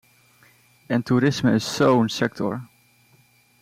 En toerisme is zo'n sector.